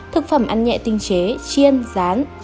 thực phẩm ăn nhẹ tinh chế chiên rán